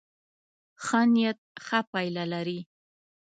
ښه نيت ښه پایله لري.